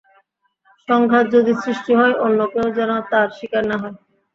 সংঘাত যদি সৃষ্টি হয়, অন্য কেউ যেন তার শিকার না হয়।